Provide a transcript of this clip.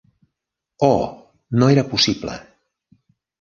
Oh, no era possible!